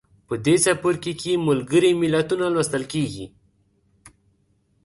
په دې څپرکي کې ملګري ملتونه لوستل کیږي.